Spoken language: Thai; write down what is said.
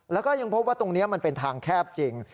แล้วก็ยังพบว่าตรงนี้มันเป็นทางแคบจริง